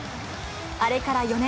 あれから４年。